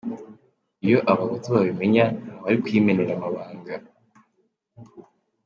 Iyo abahutu babimenya, ntawari kuyimenera amabanga.